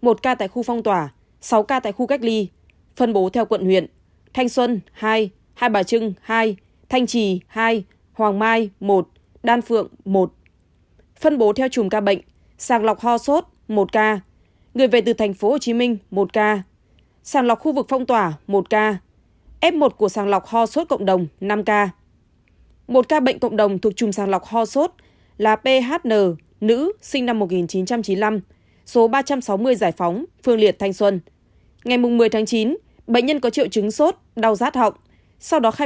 một ca bệnh thuộc chùm sàng lọc khu vực phong tỏa là lhn nam sinh năm hai nghìn một mươi hai tổ hai thanh liệt thanh trì